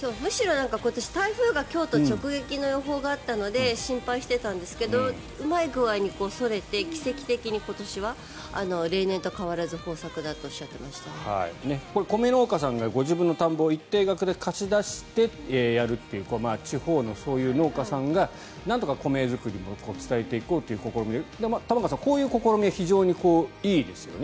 今年台風が京都直撃の予報があったので心配してたんですけどうまい具合にそれて奇跡的に、今年は例年と変わらず米農家さんがご自分の田んぼを一定額で貸し出してやるという地方の、そういう農家さんがなんとか米作りを伝えていこうという試みで玉川さん、こういう試みは非常にいいですよね。